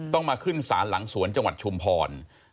ต้องมาขึ้นศาลหลังสวนจังหวัดชุมพร